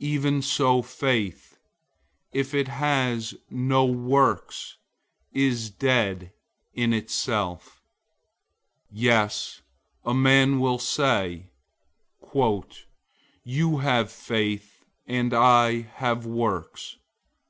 002:017 Even so faith, if it has no works, is dead in itself. 002:018 Yes, a man will say, "You have faith, and I have works."